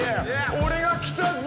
俺が来たぜ！